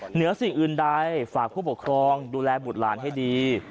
เหนือสิ่งอื่นใดฝากผู้ปกครองดูแลบุตรหลานให้ดี